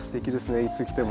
いつ来ても。